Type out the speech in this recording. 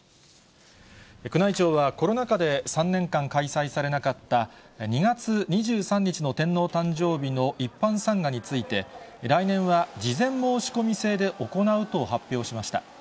宮内庁はコロナ禍で３年間開催されなかった、２月２３日の天皇誕生日の一般参賀について、来年は事前申し込み制で行うと発表しました。